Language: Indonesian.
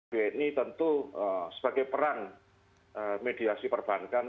bni tentu sebagai peran mediasi perbankan